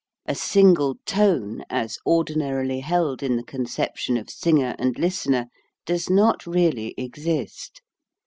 A single tone as ordinarily held in the conception of singer and listener does not really exist.